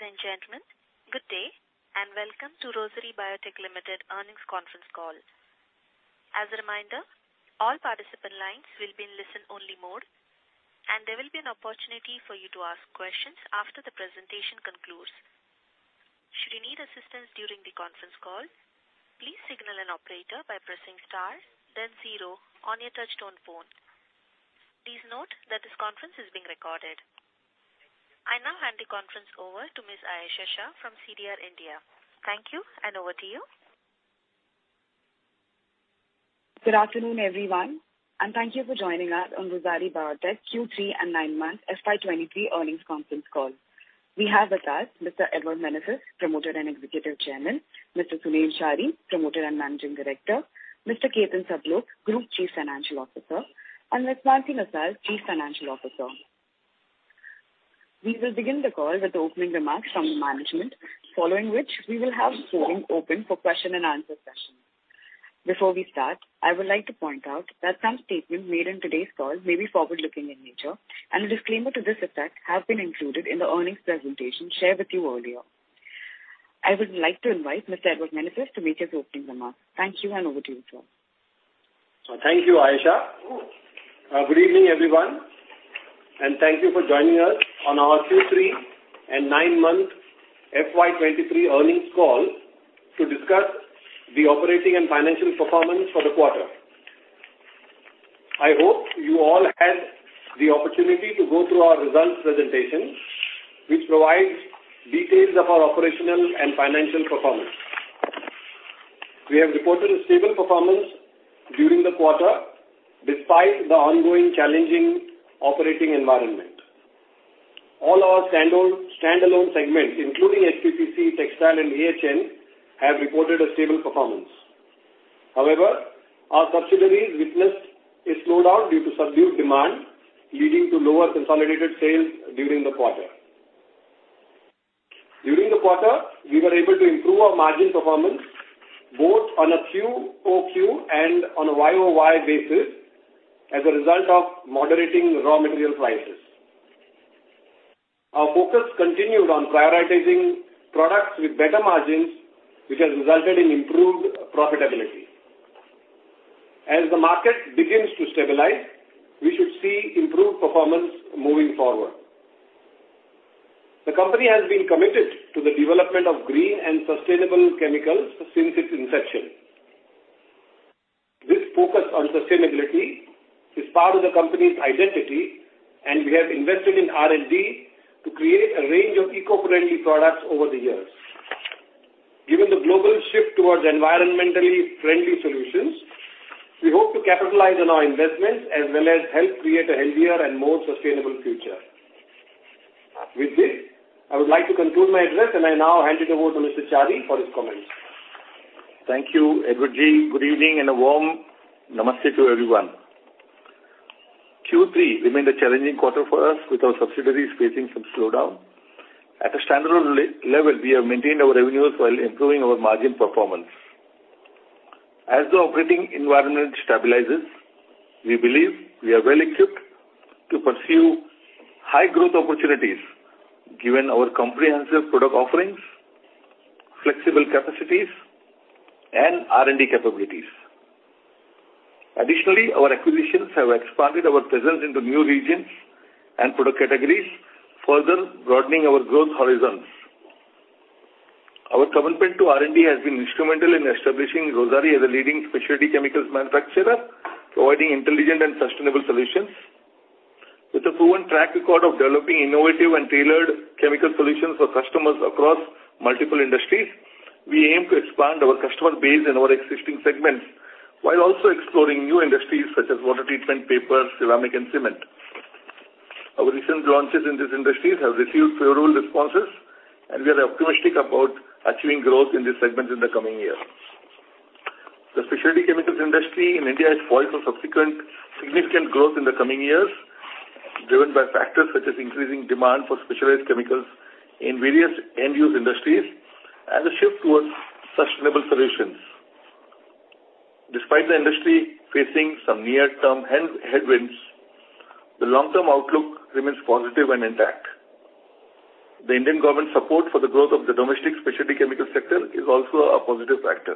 Ladies and gentlemen, good day, and welcome to Rossari Biotech Limited earnings conference call. As a reminder, all participant lines will be in listen-only mode, and there will be an opportunity for you to ask questions after the presentation concludes. Should you need assistance during the conference call, please signal an operator by pressing star then zero on your touchtone phone. Please note that this conference is being recorded. I now hand the conference over to Ms. Ayesha Shah from CDR India. Thank you, and over to you. Good afternoon, everyone. Thank you for joining us on Rossari Biotech Q3 and nine-month FY 2023 earnings conference call. We have with us Mr. Edward Menezes, Promoter and Executive Chairman, Mr. Sunil Chari, Promoter and Managing Director, Mr. Ketan Sablok, Group Chief Financial Officer, and Ms. Manasi Nisal, Chief Financial Officer. We will begin the call with opening remarks from the management, following which we will have polling open for question and answer session. Before we start, I would like to point out that some statements made in today's call may be forward-looking in nature, and a disclaimer to this effect has been included in the earnings presentation shared with you earlier. I would like to invite Mr. Edward Menezes to make his opening remarks. Thank you. Over to you, sir. Thank you, Ayesha. Good evening, everyone. Thank you for joining us on our Q3 and nine-month FY 2023 earnings call to discuss the operating and financial performance for the quarter. I hope you all had the opportunity to go through our results presentation, which provides details of our operational and financial performance. We have reported a stable performance during the quarter despite the ongoing challenging operating environment. All our standalone segments, including HPPC, Textile, and AHN, have reported a stable performance. However, our subsidiaries witnessed a slowdown due to subdued demand, leading to lower consolidated sales during the quarter. During the quarter, we were able to improve our margin performance both on a QoQ and on a YoY basis as a result of moderating raw material prices. Our focus continued on prioritizing products with better margins, which has resulted in improved profitability. As the market begins to stabilize, we should see improved performance moving forward. The company has been committed to the development of green and sustainable chemicals since its inception. This focus on sustainability is part of the company's identity, and we have invested in R&D to create a range of eco-friendly products over the years. Given the global shift towards environmentally friendly solutions, we hope to capitalize on our investments as well as help create a healthier and more sustainable future. With this, I would like to conclude my address, and I now hand it over to Mr. Chari for his comments. Thank you, Edward Menezes. Good evening and a warm namaste to everyone. Q3 remained a challenging quarter for us, with our subsidiaries facing some slowdown. At a standalone level, we have maintained our revenues while improving our margin performance. As the operating environment stabilizes, we believe we are well equipped to pursue high growth opportunities given our comprehensive product offerings, flexible capacities, and R&D capabilities. Our acquisitions have expanded our presence into new regions and product categories, further broadening our growth horizons. Our commitment to R&D has been instrumental in establishing Rossari as a leading specialty chemicals manufacturer, providing intelligent and sustainable solutions. With a proven track record of developing innovative and tailored chemical solutions for customers across multiple industries, we aim to expand our customer base in our existing segments while also exploring new industries such as water treatment, paper, ceramic, and cement. Our recent launches in these industries have received favorable responses, and we are optimistic about achieving growth in these segments in the coming years. The specialty chemicals industry in India is poised for subsequent significant growth in the coming years, driven by factors such as increasing demand for specialized chemicals in various end-use industries and a shift towards sustainable solutions. Despite the industry facing some near-term headwinds, the long-term outlook remains positive and intact. The Indian government support for the growth of the domestic specialty chemical sector is also a positive factor.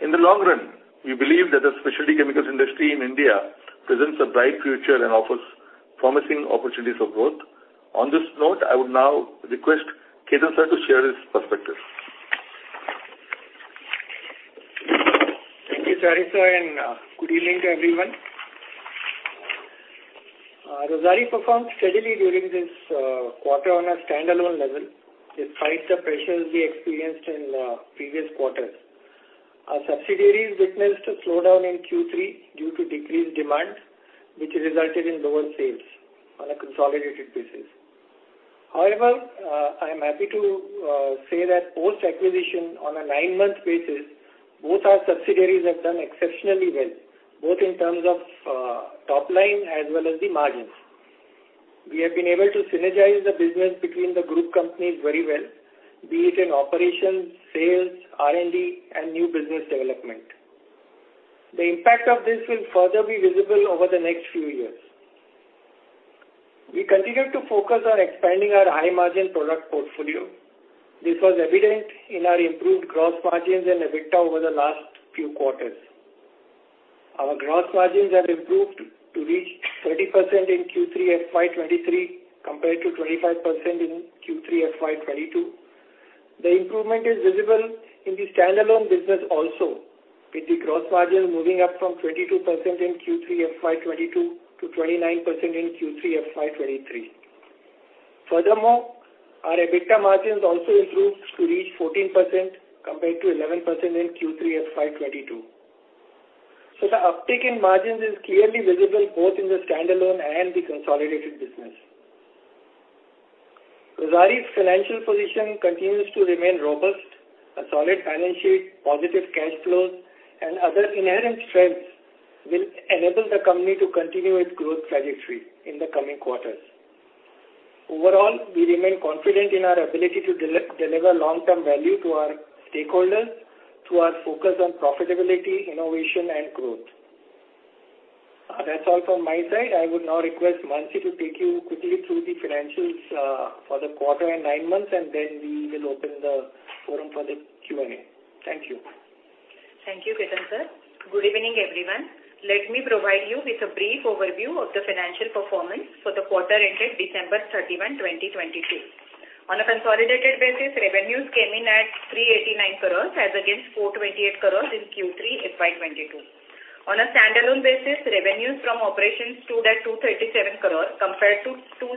In the long run, we believe that the specialty chemicals industry in India presents a bright future and offers promising opportunities for growth. On this note, I would now request Ketan sir to share his perspectives. Thank you, Chari Sir, and good evening to everyone. Rossari performed steadily during this quarter on a standalone level, despite the pressures we experienced in previous quarters. Our subsidiaries witnessed a slowdown in Q3 due to decreased demand, which resulted in lower sales on a consolidated basis. However, I am happy to say that post-acquisition on a nine-month basis, both our subsidiaries have done exceptionally well, both in terms of top line as well as the margins. We have been able to synergize the business between the group companies very well, be it in operations, sales, R&D, and new business development. The impact of this will further be visible over the next few years. We continue to focus on expanding our high margin product portfolio. This was evident in our improved gross margins and EBITDA over the last few quarters. Our gross margins have improved to reach 30% in Q3 FY 2023 compared to 25% in Q3 FY 2022. The improvement is visible in the standalone business also, with the gross margin moving up from 22% in Q3 FY 2022 to 29% in Q3 FY 2023. Furthermore, our EBITDA margins also improved to reach 14% compared to 11% in Q3 FY 2022. The uptick in margins is clearly visible both in the standalone and the consolidated business. Rossari's financial position continues to remain robust. A solid balance sheet, positive cash flows, and other inherent strengths will enable the company to continue its growth trajectory in the coming quarters. Overall, we remain confident in our ability to deliver long-term value to our stakeholders through our focus on profitability, innovation and growth. That's all from my side. I would now request Manasi to take you quickly through the financials for the quarter and nine months, and then we will open the forum for the Q&A. Thank you. Thank you, Ketan sir. Good evening, everyone. Let me provide you with a brief overview of the financial performance for the quarter ended December 31, 2022. On a consolidated basis, revenues came in at 389 crore as against 428 crore in Q3 FY 2022. On a standalone basis, revenues from operations stood at 237 crore compared to 268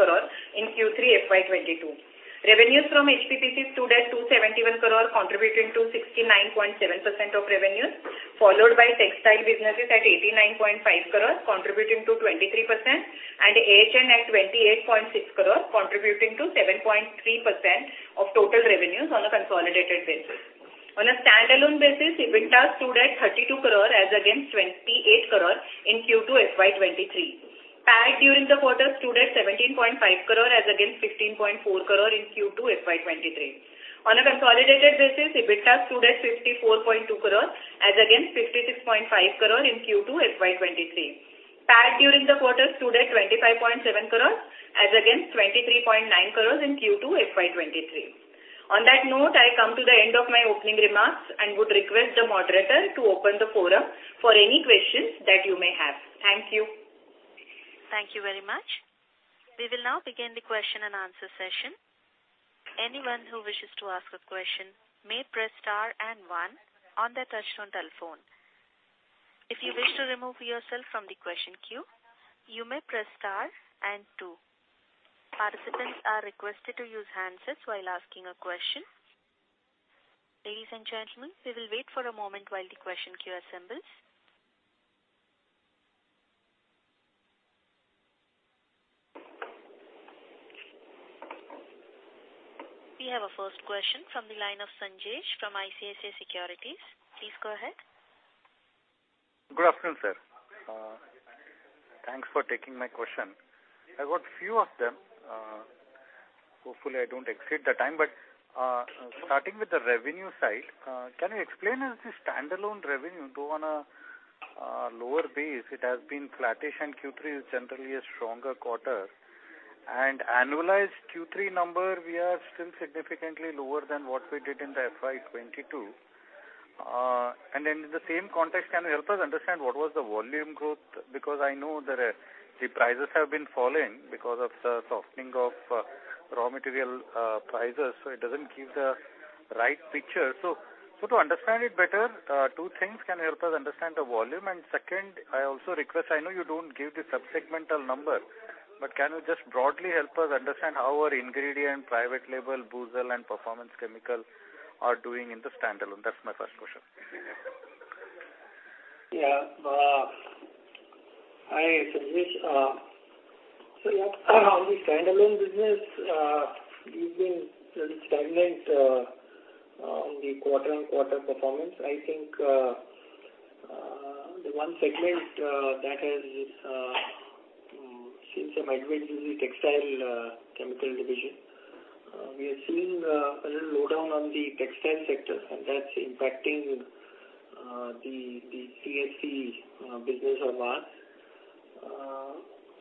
crore in Q3 FY22. Revenues from HPPC stood at 271 crore, contributing to 69.7% of revenues, followed by textile businesses at 89.5 crore, contributing to 23% and H&N at 28.6 crore, contributing to 7.3% of total revenues on a consolidated basis. On a standalone basis, EBITDA stood at 32 crore as against 28 crore in Q2 FY23. PAT during the quarter stood at 17.5 crore as against 15.4 crore in Q2 FY23. On a consolidated basis, EBITDA stood at 54.2 crore as against 56.5 crore in Q2 FY 2023. PAT during the quarter stood at 25.7 crore as against 23.9 crore in Q2 FY 2023. On that note, I come to the end of my opening remarks and would request the moderator to open the forum for any questions that you may have. Thank you. Thank you very much. We will now begin the question and answer session. Anyone who wishes to ask a question may press star and 1 on their touchtone telephone. If you wish to remove yourself from the question queue, you may press star and two. Participants are requested to use handsets while asking a question. Ladies and gentlemen, we will wait for a moment while the question queue assembles. We have our first question from the line of Sanjesh from ICICI Securities. Please go ahead. Good afternoon, sir. Thanks for taking my question. I've got few of them. Hopefully I don't exceed the time. Starting with the revenue side, can you explain us the standalone revenue go on a lower base. It has been flattish, and Q3 is generally a stronger quarter. Annualized Q3 number, we are still significantly lower than what we did in the FY 2022. In the same context, can you help us understand what was the volume growth? Because I know that, the prices have been falling because of the softening of raw material prices, so it doesn't give the right picture. To understand it better, two things. Can you help us understand the volume? Second, I also request, I know you don't give the sub-segmental number, but can you just broadly help us understand how our ingredient, private label, HPPC and Performance Chemicals are doing in the standalone? That's my first question. Hi, Sanjesh. On the standalone business, we've been really stagnant on the quarter-on-quarter performance. I think the one segment that has seen some headwinds is the textile chemical division. We are seeing a little slowdown on the textile sector, and that's impacting the CFC business of ours.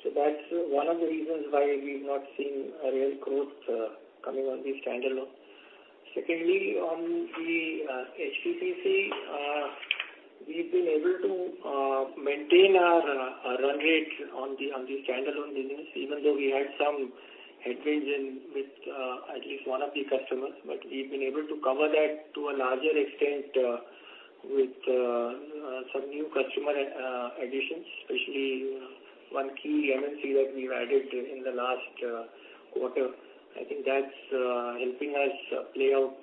That's one of the reasons why we've not seen a real growth coming on the standalone. Secondly, on the HPPC, we've been able to maintain our run rate on the standalone business, even though we had some headwinds in with at least one of the customers. We've been able to cover that to a larger extent, with some new customer additions, especially one key MNC that we've added in the last quarter. I think that's helping us play out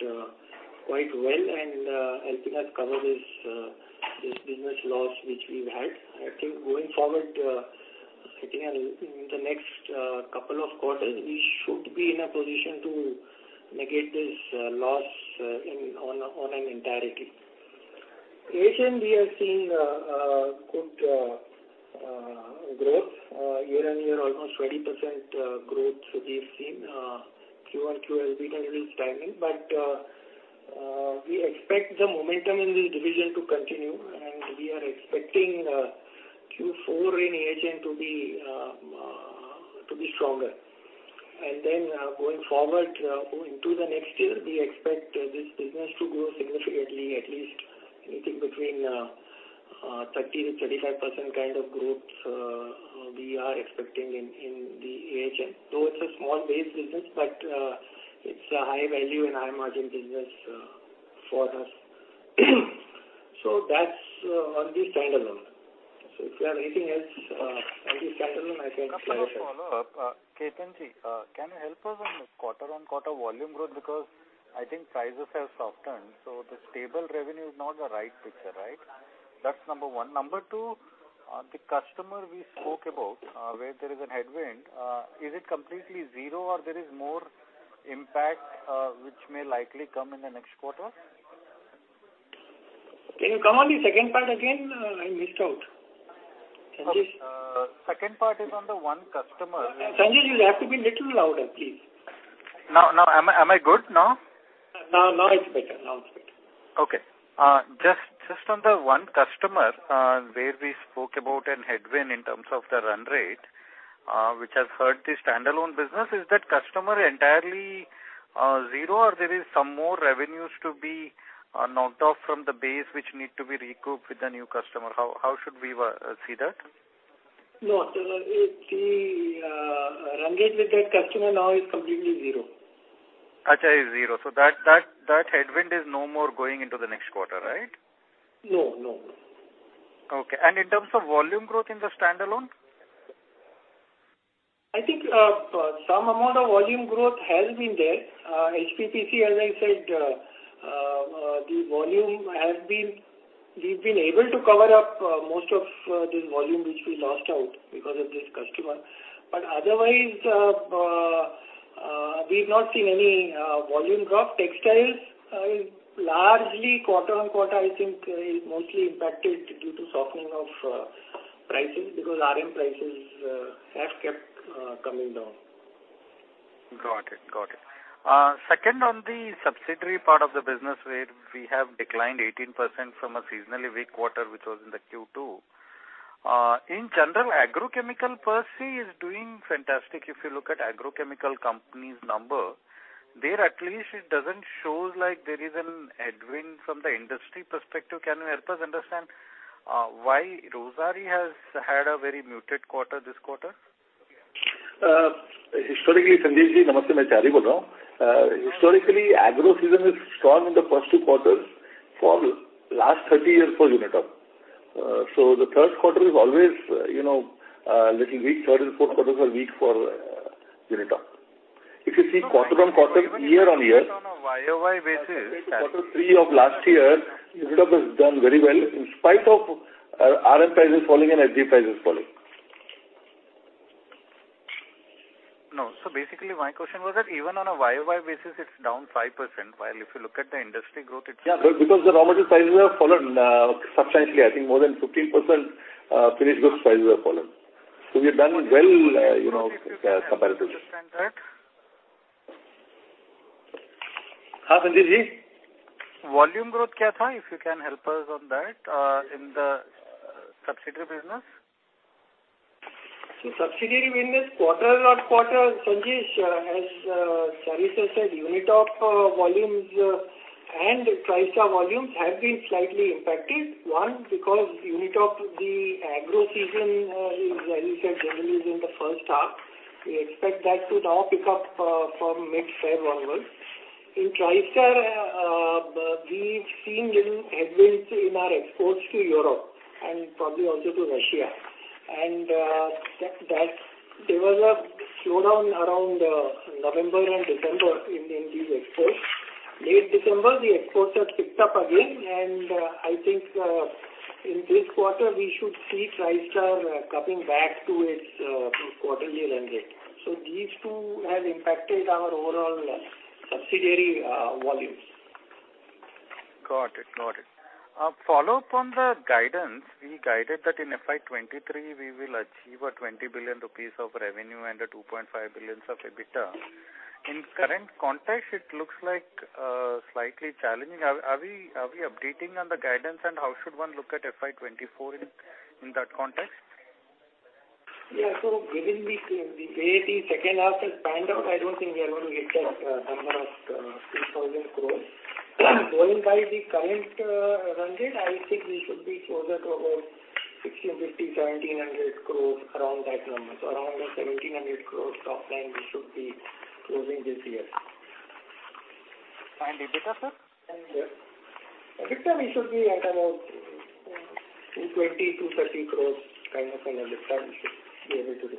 quite well and helping us cover this business loss which we've had. I think going forward, I think in the next couple of quarters, we should be in a position to negate this loss in an entirety. AHN we are seeing good growth year-over-year almost 20% growth we've seen Q1, Q2 a bit unusual timing. We expect the momentum in this division to continue, and we are expecting Q4 in AHN to be stronger. Going forward, going to the next year, we expect this business to grow significantly, at least anything between 30%-35% kind of growth we are expecting in the AHN. Though it's a small base business, it's a high value and high margin business for us. That's on the standalone. If you have anything else on the standalone I can clarify. Just one follow-up. Ketan, can you help us on quarter-on-quarter volume growth? Because I think prices have softened, so the stable revenue is not the right picture, right? That's number one. Number two, the customer we spoke about, where there is a headwind, is it completely zero or there is more impact, which may likely come in the next quarter? Can you come on the second part again? I missed out. Sanjesh. second part is on the one customer- Sanjesh, you have to be a little louder, please. Now am I good now? Now it's better. Okay. Just on the one customer, where we spoke about a headwind in terms of the run rate, which has hurt the standalone business. Is that customer entirely zero or there is some more revenues to be knocked off from the base which need to be recouped with a new customer? How should we see that? No. The run rate with that customer now is completely zero. is zero. That headwind is no more going into the next quarter, right? No, no. Okay. In terms of volume growth in the standalone? I think, some amount of volume growth has been there. HPPC, as I said, we've been able to cover up most of this volume which we lost out because of this customer. Otherwise, we've not seen any volume drop. Textiles is largely quarter-on-quarter, I think, is mostly impacted due to softening of prices because RM prices have kept coming down. Got it. Got it. Second on the subsidiary part of the business where we have declined 18% from a seasonally weak quarter, which was in Q2. In general, agrochemical per se is doing fantastic. If you look at agrochemical companies number, there at least it doesn't shows like there is an headwind from the industry perspective. Can you help us understand why Rossari has had a very muted quarter this quarter? Historically, Sanjesh, Historically, agro season is strong in the first two quarters for last 30 years for Unitop. The third quarter is always, you know, little weak. Third and fourth quarters are weak for Unitop. If you see quarter on quarter, year-on-year... Even on a YoY basis. Quarter three of last year, Unitop has done very well in spite of RM prices falling and SG prices falling. No. Basically my question was that even on a YoY basis it's down 5%, while if you look at the industry growth it's. Because the raw material prices have fallen, substantially, I think more than 15%, finished goods prices have fallen. We've done well, you know, comparatively. Understand that. Yes, Sanjesh. Volume growth, if you can help us on that, in the subsidiary business. Subsidiary business quarter on quarter, Sanjesh, as Sarish has said, Unitop volumes and Tristar volumes have been slightly impacted. One, because Unitop, the agro season, is as he said generally is in the first half. We expect that to now pick up from mid-Feb onwards. In Tristar, we've seen little headwinds in our exports to Europe and probably also to Russia. That developed slowdown around November and December in these exports. Late December, the exports have picked up again and I think in this quarter we should see Tristar coming back to its quarterly run rate. These two have impacted our overall subsidiary volumes. Got it. Got it. Follow-up on the guidance. We guided that in FY 2023 we will achieve 20 billion rupees of revenue and 2.5 billion of EBITDA. In current context, it looks like, slightly challenging. Are we updating on the guidance and how should one look at FY 2024 in that context? Yeah. Given the way the second half has panned out, I don't think we are going to hit that number of 2,000 crores. Going by the current run rate, I think we should be closer to about 1,650, 1,700 crores around that number. Around 1,700 crores topline we should be closing this year. EBITDA, sir? EBITDA. EBITDA we should be at about 220-230 crores kind of an EBITDA we should be able to do.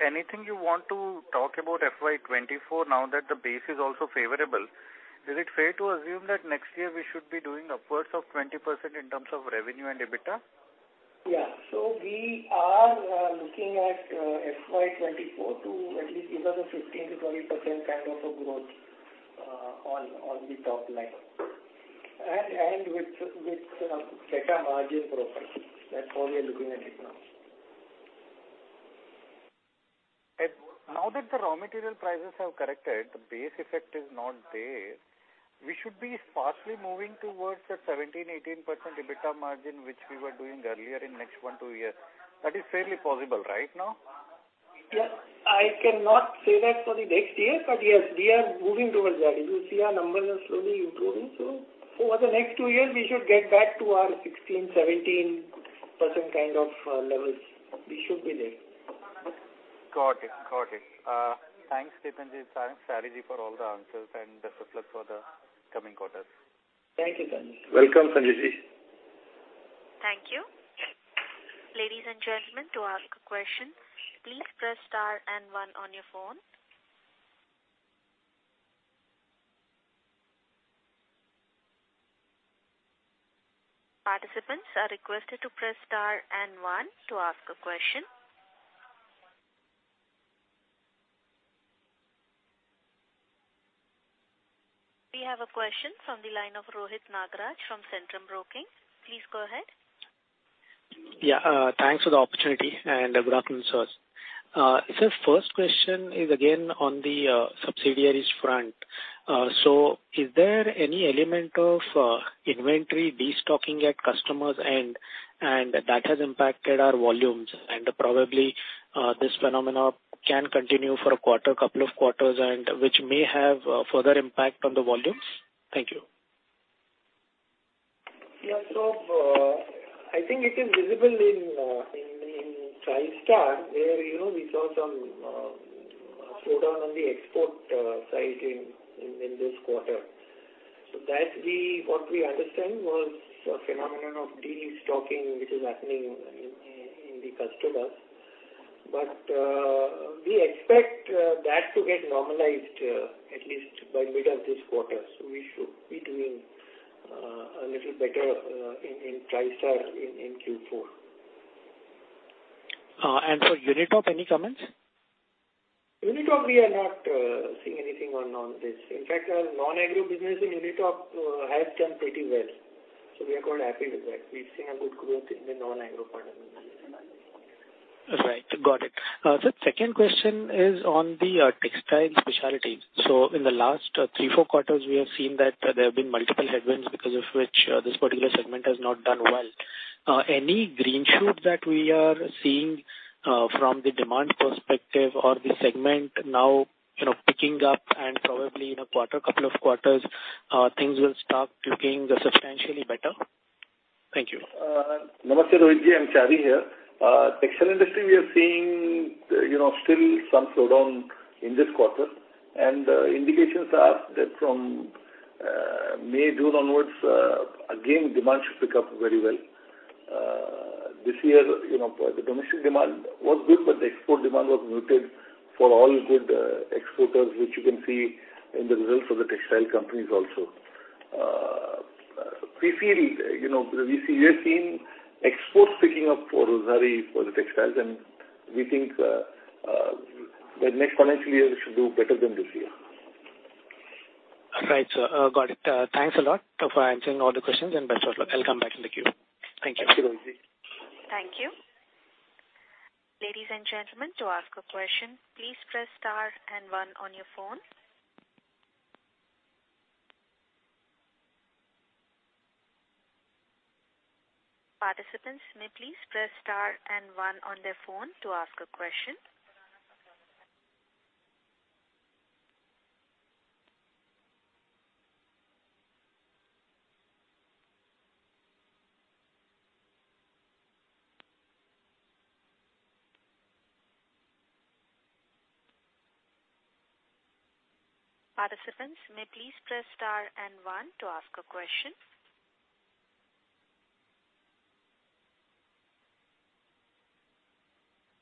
Anything you want to talk about FY 2024 now that the base is also favorable? Is it fair to assume that next year we should be doing upwards of 20% in terms of revenue and EBITDA? Yeah. We are looking at FY 2024 to at least give us a 15%-20% kind of a growth on the top line with better margin profile. That's how we are looking at it now. Now that the raw material prices have corrected, the base effect is not there. We should be sparsely moving towards the 17%-18% EBITDA margin, which we were doing earlier in next 1-2 years. That is fairly possible right now? Yes. I cannot say that for the next year, but yes, we are moving towards that. You see our numbers are slowly improving. Over the next two years we should get back to our 16%-17% kind of, levels. We should be there. Got it. Thanks, Ketan ji. Thanks, Chari ji, for all the answers and best of luck for the coming quarters. Thank you, Sanjesh. Welcome, Sanjesh. Thank you. Ladies and gentlemen, to ask a question, please press star and one on your phone. Participants are requested to press star and one to ask a question. We have a question from the line of Rohit Nagraj from Centrum Broking. Please go ahead. Yeah. Thanks for the opportunity, and good afternoon, sirs. Sir, first question is again on the subsidiaries front. Is there any element of inventory destocking at customers' end, and that has impacted our volumes? Probably, this phenomena can continue for a quarter, couple of quarters and which may have further impact on the volumes. Thank you. Yeah. I think it is visible in Tristar, where, you know, we saw some slowdown on the export side in this quarter. That what we understand was a phenomenon of destocking which is happening in the customers. We expect that to get normalized at least by mid of this quarter. We should be doing a little better in Tristar in Q4. For Unitop, any comments? Unitop we are not seeing anything on this. In fact, our non-agro business in Unitop has done pretty well. We are quite happy with that. We've seen a good growth in the non-agro part of Unitop. Right. Got it. sir, second question is on the, Textile Specialty. In the last, three, four quarters, we have seen that there have been multiple headwinds because of which, this particular segment has not done well. Any green shoots that we are seeing, from the demand perspective or the segment now, you know, picking up and probably in a quarter, couple of quarters, things will start looking substantially better? Thank you. Namaste, Rohit. I'm Chari here. Textile industry we are seeing, you know, still some slowdown in this quarter. Indications are that from May, June onwards, again, demand should pick up very well. This year, you know, the domestic demand was good, but the export demand was muted for all good exporters, which you can see in the results of the textile companies also. We feel, you know, we are seeing exports picking up for Rossari, for the textiles, and we think the next financial year we should do better than this year. Right, sir. got it. thanks a lot for answering all the questions and best of luck. I'll come back in the queue. Thank you. Thank you, Rohit. Thank you. Ladies and gentlemen, to ask a question, please press star and one on your phone. Participants may please press star and one on their phone to ask a question. Participants may please press star and one to ask a question.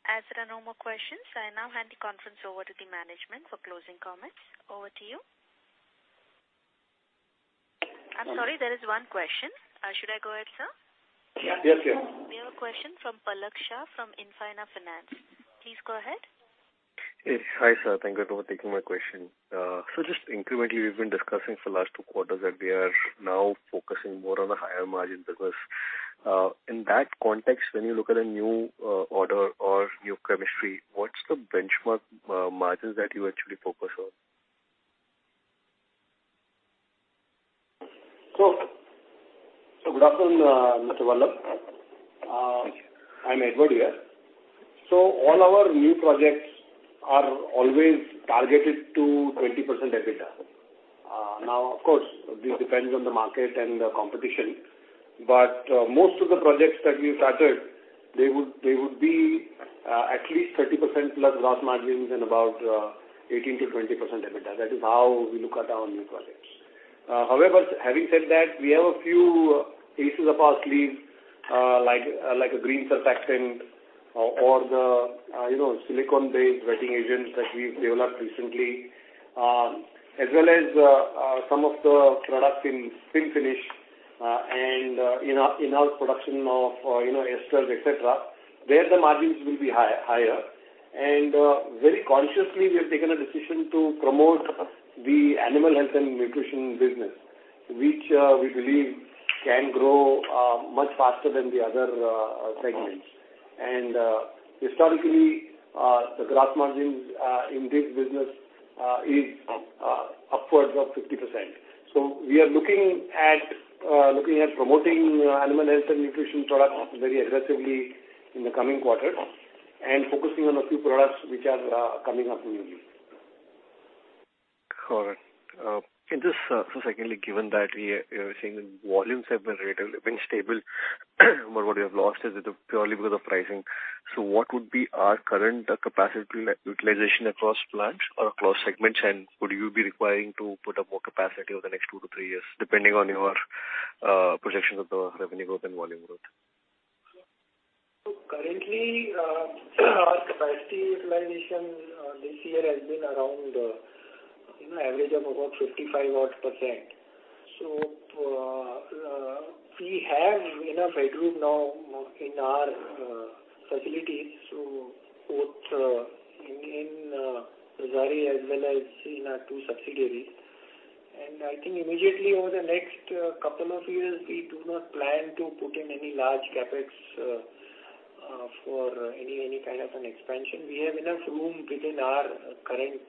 As there are no more questions, I now hand the conference over to the management for closing comments. Over to you. I'm sorry, there is one question. Should I go ahead, sir? Yes, yes. We have a question from Palak Shah from Infina Finance. Please go ahead. Yes. Hi, sir. Thank you for taking my question. Just incrementally, we've been discussing for the last two quarters that we are now focusing more on the higher margin business. In that context, when you look at a new order or new chemistry, what's the benchmark margins that you actually focus on? Good afternoon, Mr. Palak. I'm Edward here. All our new projects are always targeted to 20% EBITDA. Now of course, this depends on the market and the competition. But most of the projects that we started, they would be at least 30%+ gross margins and about 18%-20% EBITDA. That is how we look at our new projects. However, having said that, we have a few aces up our sleeves, like a green surfactant or the, you know, silicone-based wetting agents that we've developed recently, as well as some of the products in spin finish. In our production of, you know, esters, et cetera, where the margins will be higher. Very consciously, we have taken a decision to promote the Animal Health and Nutrition business, which, we believe can grow, much faster than the other, segments. Historically, the gross margins, in this business, is, upwards of 50%. We are looking at promoting Animal Health and Nutrition products very aggressively in the coming quarters, and focusing on a few products which are, coming up newly. Correct. Secondly, given that we are seeing volumes have been rather stable, what we have lost is it purely because of pricing? What would be our current capacity utilization across plants or across segments? Would you be requiring to put up more capacity over the next two to three years depending on your projections of the revenue growth and volume growth? Currently, our capacity utilization this year has been around, you know, average of about 55% odd. We have enough headroom now in our facilities. Both, in Rossari as well as in our two subsidiaries. I think immediately over the next couple of years, we do not plan to put in any large CapEx for any kind of an expansion. We have enough room within our current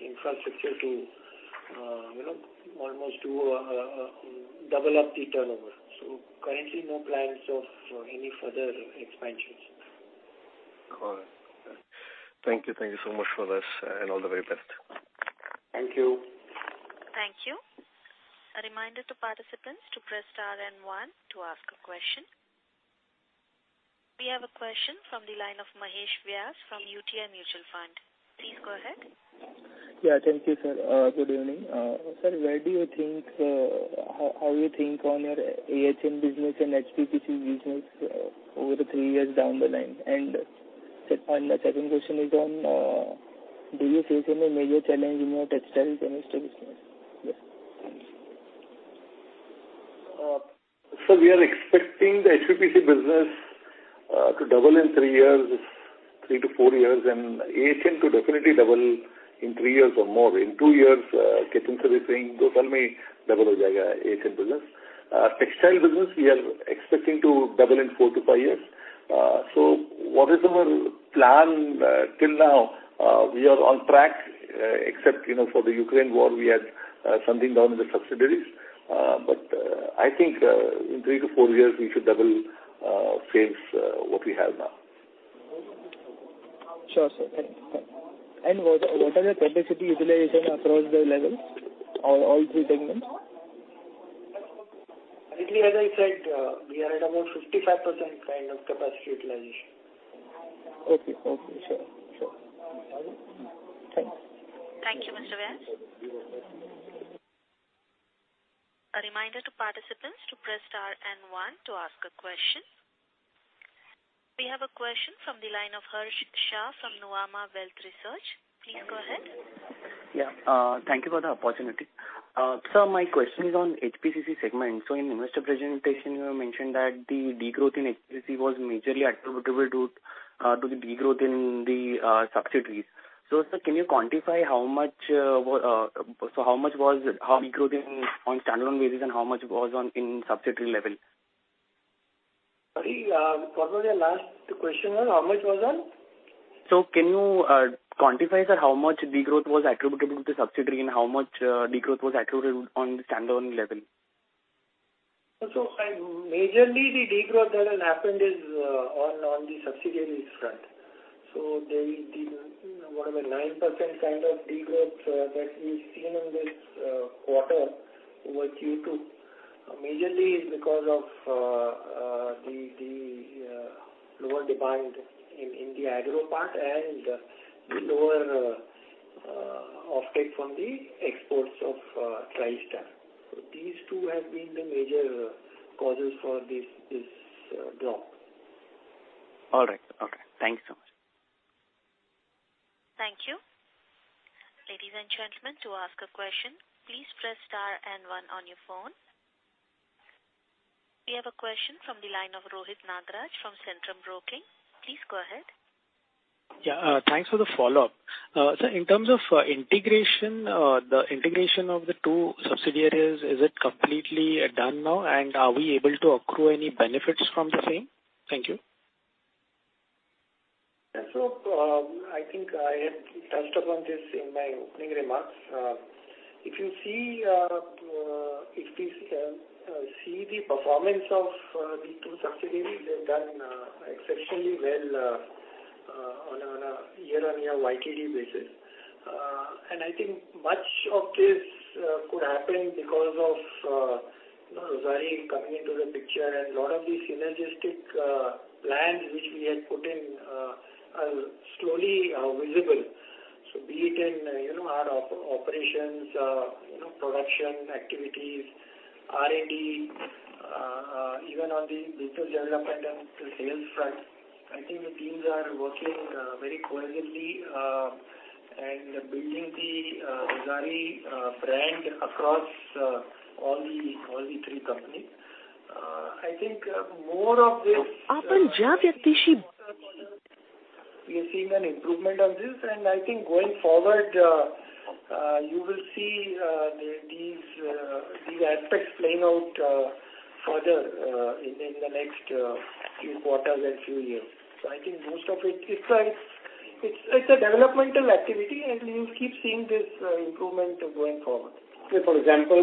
infrastructure to, you know, almost do a double up the turnover. Currently no plans of any further expansions. All right. Thank you. Thank you so much for this and all the very best. Thank you. Thank you. A reminder to participants to press star and one to ask a question. We have a question from the line of Mahesh Vaya from UTI Mutual Fund. Please go ahead. Yeah, thank you, sir. Good evening. Sir, where do you think, how you think on your AHN business and HPPC business over three years down the line? The second question is on, do you face any major challenge in your textile finished business? Yes. We are expecting the HPPC business to double in three years, three to four years, and AHN to definitely double in three years or more. In two years, Ketan sir is saying, AHN business. Textile business, we are expecting to double in four to five years. What is our plan, till now, we are on track, except, you know, for the Ukraine war, we had something down in the subsidiaries. I think, in three to four years, we should double sales, what we have now. Sure, sir. Thank you. What are the capacity utilization across the levels, all three segments? Currently, as I said, we are at about 55% kind of capacity utilization. Okay. Okay. Sure. Sure. Thank you. Thank you, Mr. Vaya. A reminder to participants to press star and one to ask a question. We have a question from the line of Harsh Shah from Nuvama Wealth Management. Please go ahead. Thank you for the opportunity. Sir, my question is on HPPC segment. In investor presentation, you have mentioned that the degrowth in HPPC was majorly attributable to the degrowth in the subsidiaries. Sir, can you quantify how much degrowth in on standalone basis and how much was on in subsidiary level? Sorry, what was your last question? How much was on? Can you quantify, sir, how much degrowth was attributable to subsidiary and how much degrowth was attributable on the standalone level? Majorly the degrowth that has happened is on the subsidiaries front. There is what about 9% kind of degrowth that we've seen in this quarter over Q2. Majorly is because of the lower demand in the agro part and lower off take from the exports of Tristar. These two have been the major causes for this drop. All right. Okay. Thanks so much. Thank you. Ladies and gentlemen, to ask a question, please press star and one on your phone. We have a question from the line of Rohit Nagraj from Centrum Broking. Please go ahead. Thanks for the follow-up. In terms of integration, the integration of the two subsidiaries, is it completely done now? Are we able to accrue any benefits from the same? Thank you. I think I have touched upon this in my opening remarks. If you see the performance of the two subsidiaries, they've done exceptionally well on a year-on-year YTD basis. I think much of this could happen because of Rossari coming into the picture and a lot of these synergistic plans which we had put in are slowly are visible. Be it in, you know, our operations, you know, production activities, R&D, even on the business development and sales front, I think the teams are working very coherently, and building the Rossari brand across all the three companies. I think more of this. We are seeing an improvement on this, and I think going forward, you will see these aspects playing out further in the next few quarters and few years. I think most of it's a developmental activity and you'll keep seeing this improvement going forward. Say, for example,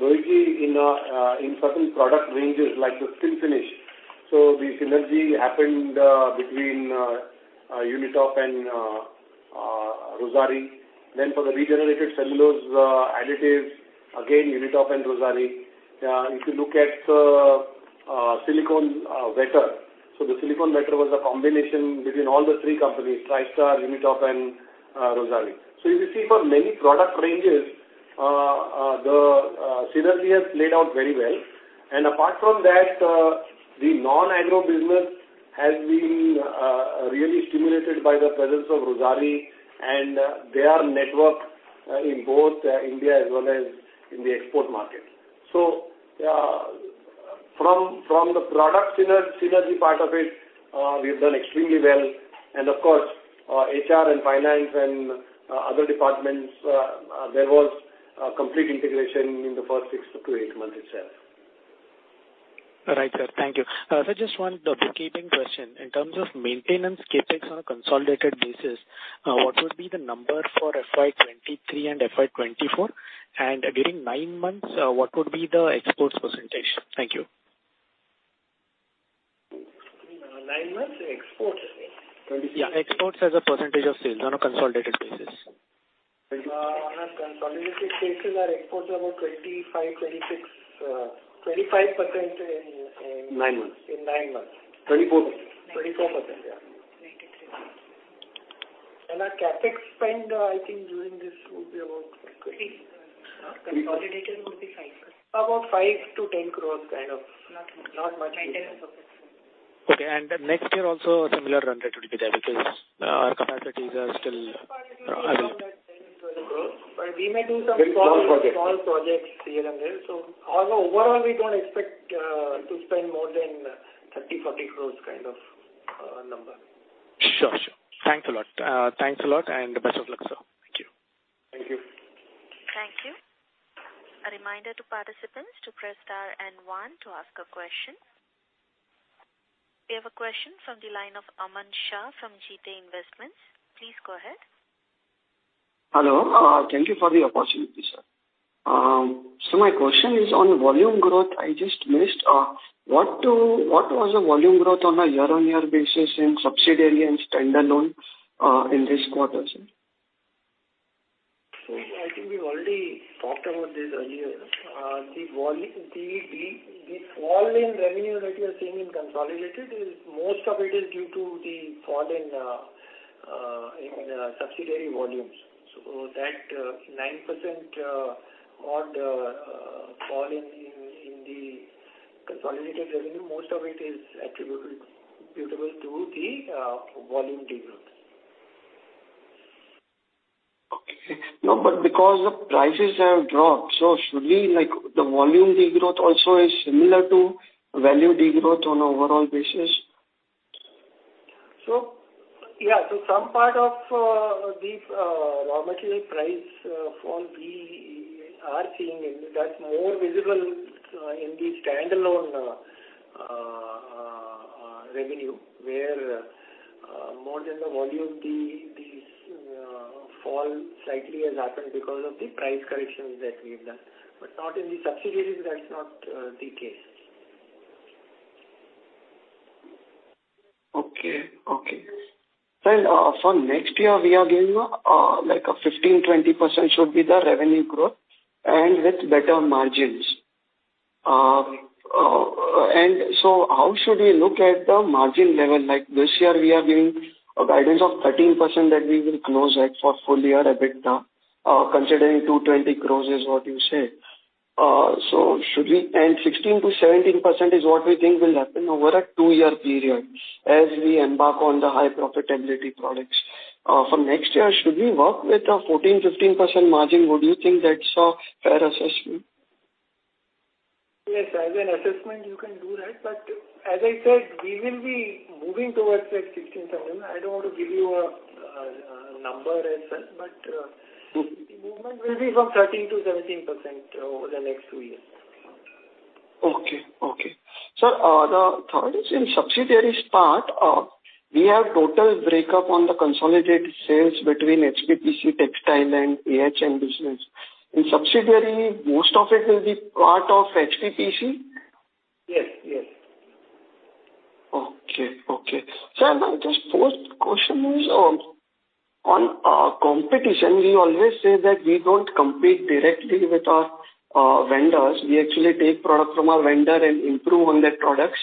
Rohit, in certain product ranges like the skin finish. The synergy happened between Unitop and Rossari. For the regenerated cellulose additives, again, Unitop and Rossari. If you look at silicone wetter. The silicone wetter was a combination between all the three companies, Tristar, Unitop and Rossari. If you see for many product ranges, the synergy has played out very well. Apart from that, the non-agro business has been really stimulated by the presence of Rossari and their network in both India as well as in the export market. From the product synergy part of it, we have done extremely well. Of course, HR and finance and other departments, there was a complete integration in the first six to eight months itself. Right, sir. Thank you. sir, just one doctor keeping question. In terms of maintenance CapEx on a consolidated basis, what would be the number for FY 23 and FY 24? During nine months, what would be the exports %? Thank you. Nine months exports means? Yeah, exports as a percentage of sales on a consolidated basis. On a consolidated basis, our exports are about 25%, 26%, 25% in. Nine months. In nine months. Twenty-four. 24%, yeah. Ninety-three. Our CapEx spend, I think during this would be. Consolidated would be five. About 5 crores-10 crores kind of. Not much. Okay. Next year also similar run rate would be there because our capacities are... Around that INR 10-12 crores. We may do some small projects here and there. Although overall we don't expect to spend more than 30-40 crores kind of number. Sure, sure. Thanks a lot. Thanks a lot and best of luck, sir. Thank you. Thank you. Thank you. A reminder to participants to press star and one to ask a question. We have a question from the line of Aman Shah from Jita Investments. Please go ahead. Hello. Thank you for the opportunity, sir. My question is on volume growth I just missed. What was the volume growth on a year-on-year basis in subsidiary and standalone in this quarter, sir? I think we've already talked about this earlier. The fall in revenue that you are seeing in consolidated is most of it is due to the fall in subsidiary volumes. That 9% odd fall in the consolidated revenue, most of it is attributable to the volume degrowth. Okay. No, because the prices have dropped, should we like the volume degrowth also is similar to value degrowth on overall basis? Yeah. Some part of the raw material price fall we are seeing in that's more visible in the standalone revenue where more than the volume, this fall slightly has happened because of the price corrections that we have done. Not in the subsidiaries, that's not the case. Okay. Okay. Sir, for next year we are giving, like a 15%-20% should be the revenue growth and with better margins. How should we look at the margin level? Like this year we are giving a guidance of 13% that we will close at for full year EBITDA, considering 220 crores is what you said. 16%-17% is what we think will happen over a two-year period as we embark on the high profitability products. For next year, should we work with a 14%-15% margin? Would you think that's a fair assessment? Yes. As an assessment you can do that. As I said, we will be moving towards like 16%, 17%. I don't want to give you a number as such, but, the movement will be from 13%-17% over the next two years. Okay. Okay. Sir, the third is in subsidiaries part, we have total breakup on the consolidated sales between HPPC, Textile and AHN business. In subsidiary, most of it will be part of HPPC? Yes. Yes. Okay. Okay. Now just fourth question is on competition, we always say that we don't compete directly with our vendors. We actually take product from our vendor and improve on their products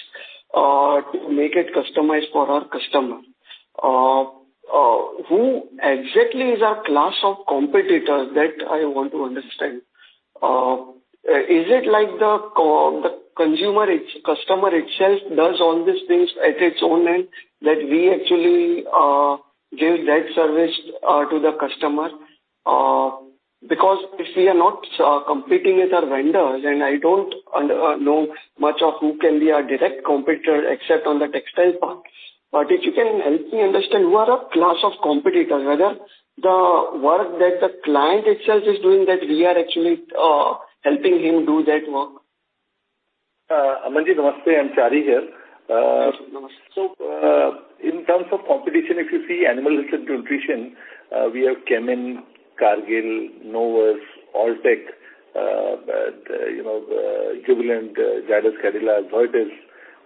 to make it customized for our customer. Who exactly is our class of competitors? That I want to understand. Is it like the customer itself does all these things at its own end, that we actually give that service to the customer? Because if we are not competing with our vendors, and I don't know much of who can be our direct competitor except on the textile part. If you can help me understand who are our class of competitors, whether the work that the client itself is doing, that we are actually helping him do that work. Aman, namaste. I'm Chari here. Namaste. Uh, so, uh, in terms of competition, if you see animal nutrition, uh, we have Kemin, Cargill, Novus, Alltech, uh, but, uh, you know, uh, Jubilant, Zydus, Cadila, Zoetis.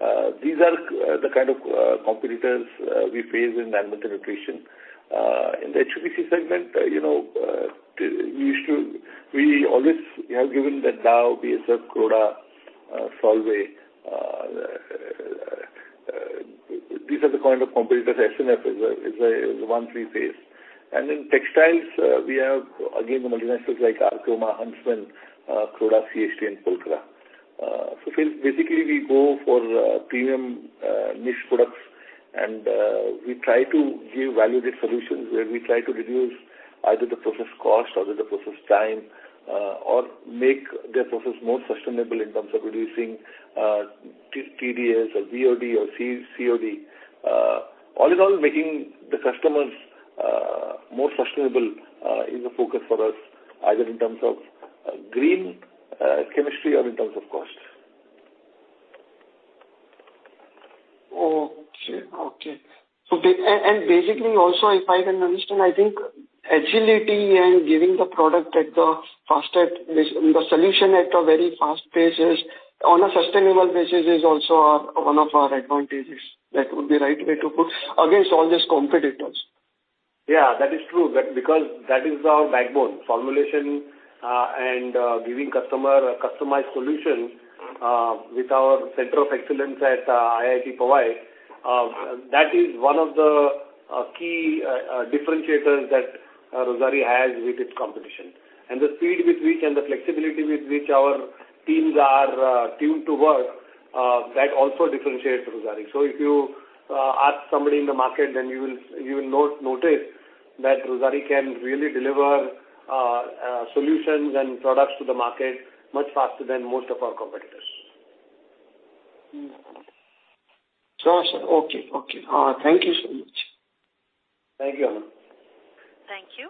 Uh, these are the kind of, uh, competitors, uh, we face in animal nutrition. Uh, in the HPFC segment, uh, you know, uh, we should-- we always have given that Dow, BASF, Croda, uh, Solvay, uh, these are the kind of competitors. SNF is a, is a, is the one we face. And in textiles, uh, we have again the multinationals like Archroma, Huntsman, uh Croda, CHT and Pulcra. Uh, so basically we go for, uh, premium, uh, niche products and, uh, we try to give value-added solutions where we try to reduce either the process cost or the process time, uh, or make their process more sustainable in terms of reducing, uh, T-TDS or BOD or C-COD. All in all, making the customers more sustainable is a focus for us either in terms of green chemistry or in terms of cost. Okay, okay. Basically also if I can understand, I think agility and giving the product at the fastest pace and the solution at a very fast pace is on a sustainable basis is also our one of our advantages. That would be right way to put against all these competitors. Yeah, that is true. That because that is our backbone formulation, and giving customer a customized solution with our center of excellence at IIT Powai, that is one of the key differentiators that Rossari has with its competition. The speed with which and the flexibility with which our teams are tuned to work, that also differentiates Rossari. If you ask somebody in the market, then you will note, notice that Rossari can really deliver solutions and products to the market much faster than most of our competitors. Awesome. Okay. Okay. Thank you so much. Thank you, Aman. Thank you.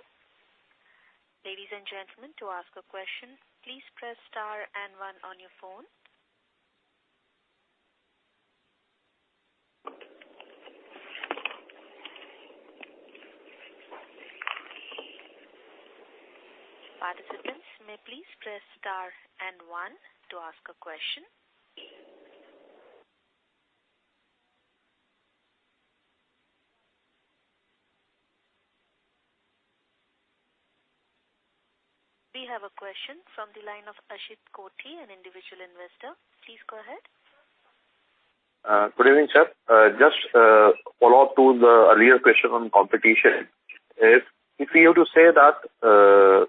Ladies and gentlemen, to ask a question, please press star and one on your phone. Participants may please press star and one to ask a question. We have a question from the line of Ashit Kothari, an individual investor. Please go ahead. Good evening, sir. Just, follow up to the earlier question on competition. If you have to say that,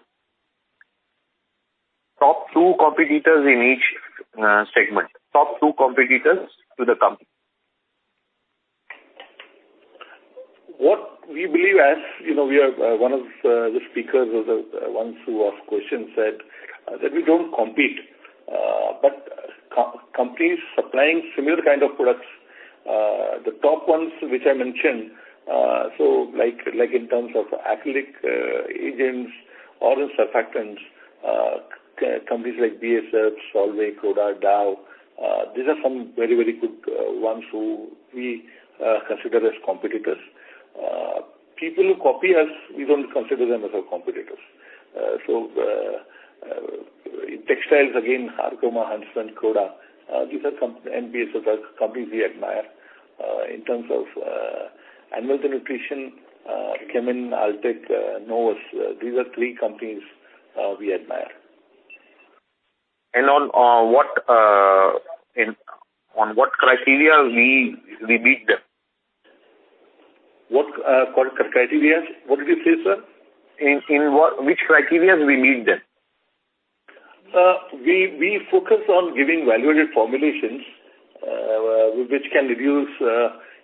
top two competitors in each segment, top two competitors to the company. What we believe, as you know, we are one of the speakers or the ones who asked questions said that we don't compete, co-companies supplying similar kind of products, the top ones which I mentioned, like in terms of acrylic agents or surfactants, companies like BASF, Solvay, Croda, Dow, these are some very, very good ones who we consider as competitors. People who copy us, we don't consider them as our competitors. Textiles, again, Archroma, Huntsman, Croda, these are companies and BASF are companies we admire. In terms of animal nutrition, Kemin, Alltech, Novus, these are three companies we admire. On, what, on what criteria we beat them? What, criteria? What did you say, sir? In which criteria we beat them? We focus on giving value-added formulations, which can reduce,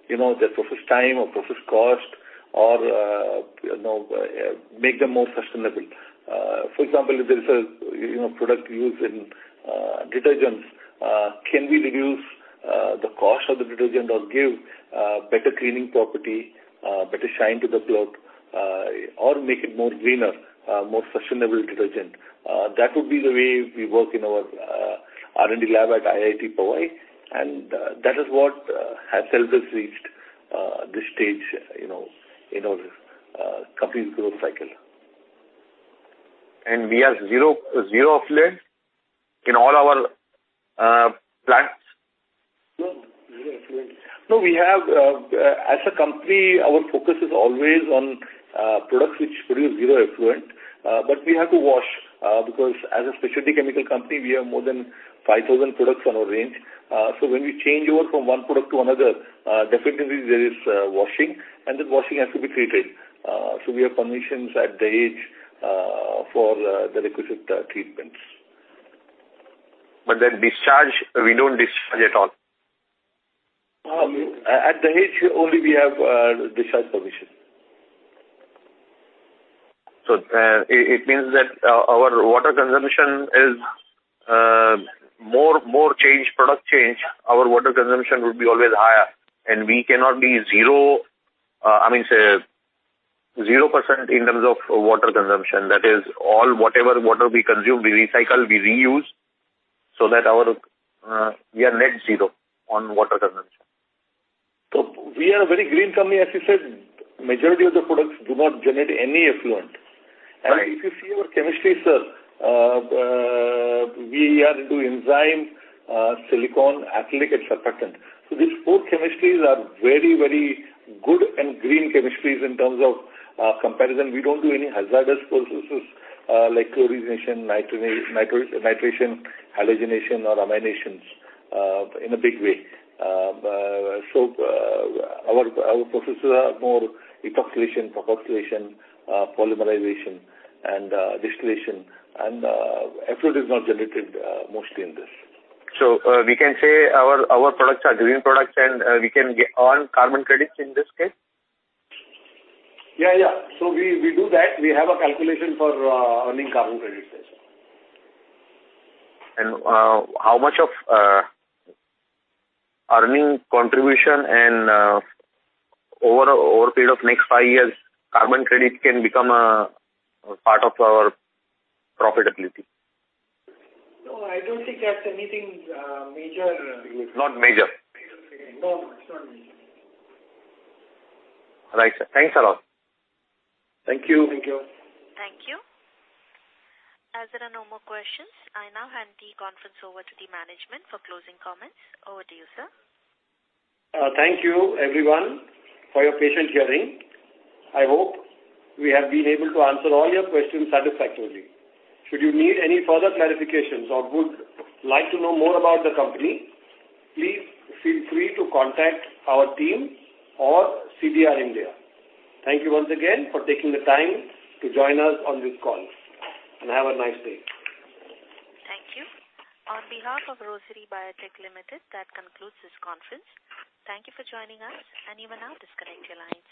you know, their process time or process cost or, you know, make them more sustainable. For example, if there is a, you know, product used in detergents, can we reduce the cost of the detergent or give better cleaning property, better shine to the cloth, or make it more greener, more sustainable detergent? That would be the way we work in our R&D lab at IIT Powai. That is what has helped us reached this stage, you know, in our company's growth cycle. We have zero effluent in all our plants? No, zero effluent. No, we have, as a company, our focus is always on products which produce zero effluent. We have to wash, because as a specialty chemical company, we have more than 5,000 products on our range. When we change over from one product to another, definitely there is washing and then washing has to be treated. So we have permissions at the edge, for the requisite treatments. Discharge, we don't discharge at all. At the edge only we have discharge permission. It means that our water consumption is more change, product change, our water consumption will be always higher, and we cannot be 0%, I mean, say 0% in terms of water consumption. That is all whatever water we consume, we recycle, we reuse so that we are net zero on water consumption. We are a very green company, as you said. Majority of the products do not generate any effluent. Right. If you see our chemistry, we are into enzyme, silicone, acrylic and surfactant. These four chemistries are very, very good and green chemistries in terms of comparison. We don't do any hazardous processes, like chlorination, nitration, halogenation or amination, in a big way. Our processes are more epoxidation, peroxidation, polymerization and distillation and effluent is not generated mostly in this. we can say our products are green products and we can earn carbon credits in this case? Yeah. We do that. We have a calculation for earning carbon credits, yes, sir. How much of earning contribution and over a period of next five years, carbon credits can become a part of our profitability? No, I don't think that's anything major. Not major. No, it's not major. All right, sir. Thanks a lot. Thank you. Thank you. Thank you. As there are no more questions, I now hand the conference over to the management for closing comments. Over to you, sir. Thank you everyone for your patient hearing. I hope we have been able to answer all your questions satisfactorily. Should you need any further clarifications or would like to know more about the company, please feel free to contact our team or CDR India. Thank you once again for taking the time to join us on this call, and have a nice day. Thank you. On behalf of Rossari Biotech Limited, that concludes this conference. Thank you for joining us, and you may now disconnect your lines.